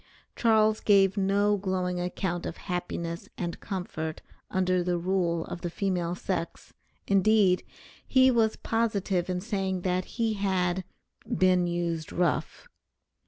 Charles gave no glowing account of happiness and comfort under the rule of the female sex, indeed, he was positive in saying that he had "been used rough."